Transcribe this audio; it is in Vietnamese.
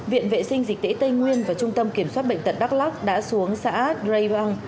viện vệ sinh dịch tễ tây nguyên và trung tâm kiểm soát bệnh tật đắk lóc đã xuống xã rê hăng